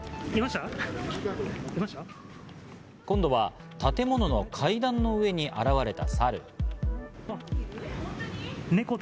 今度は建物の階段の上に現れたサル。